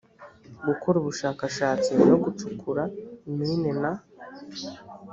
gukora ubushakashatsi no gucukura mine na